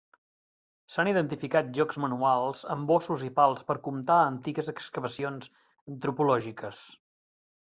S'han identificat jocs manuals amb ossos i pals per comptar a antigues excavacions antropològiques.